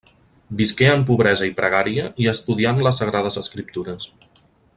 Visqué en pobresa i pregària i estudiant les Sagrades Escriptures.